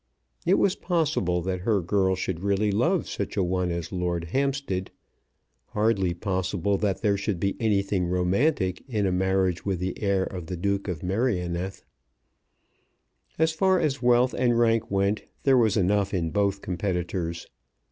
It was possible that her girl should really love such a one as Lord Hampstead, hardly possible that there should be anything romantic in a marriage with the heir of the Duke of Merioneth. As far as wealth and rank went there was enough in both competitors.